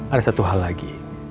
ada satu hal lagi